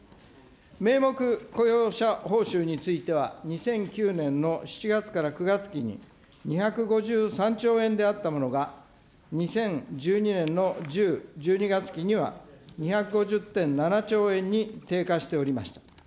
名目雇用者報酬については、２００９年の７月から９月期に、２５３兆円であったものが、２０１２年の１０ー１２月期には２５０．７兆円に低下しておりました。